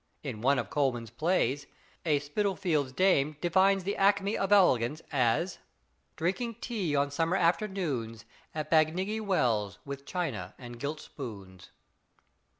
In one of Coleman's plays, a Spitalfield's dame defines the acme of elegance as: "Drinking tea on summer afternoons At Bagnigge Wells with china and gilt spoons."